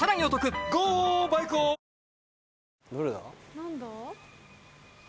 何だ？